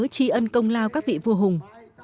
tri ân công lao các vị vua hùng